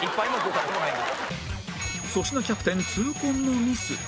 粗品キャプテン痛恨のミス